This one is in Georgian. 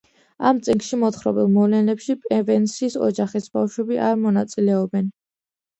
ამ წიგნში მოთხრობილ მოვლენებში პევენსის ოჯახის ბავშვები არ მონაწილეობენ.